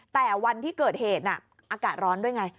แต่วันที่เกิดเหตุอากาศร้อนด้วยไง